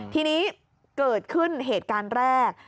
ทีนี้เกิดขึ้นเหตุการณ์แรก